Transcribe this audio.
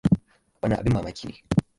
Wannan abin mamaki ne.